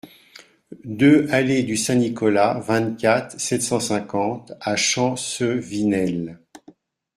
deux allée du Saint-Nicolas, vingt-quatre, sept cent cinquante à Champcevinel